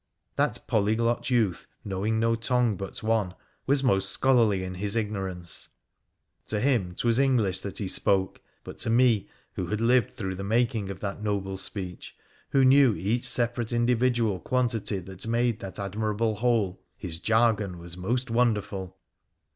That polyglot youth, knowing no tongue but one, was most scholarly in his ignorance. To him 'twas English that he spoke ; but to me, who had lived through the making of that noble speech, who knew each separate individual quantity that made that admirable whole, his jargon was most wonderful